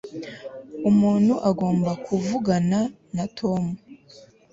umuntu agomba kuvugana na tom